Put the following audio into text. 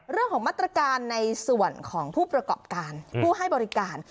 เรื่องของมาตรการในส่วนของผู้ประกอบการผู้ให้บริการ